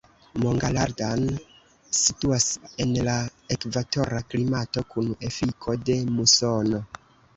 Mangaldan situas en la ekvatora klimato kun efiko de musono.